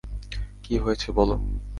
কী হয়েছে, বলো?